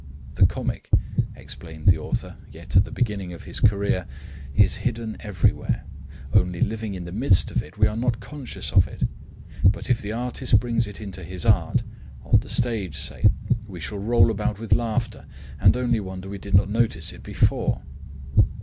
"The comic," explained the author yet at the beginning of his career, "is hidden everywhere, only living in the midst of it we are not conscious of it; but if the artist brings it into his art, on the stage say, we shall roll about with laughter and only wonder we did not notice it before."